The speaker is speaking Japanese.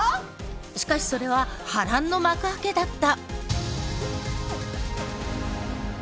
しかしそれは波乱の幕開けだった。